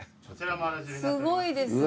すごいですね。